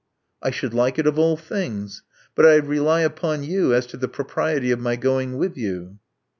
•*I should like it of all things. But I rely upon you as to the propriety of my going with you.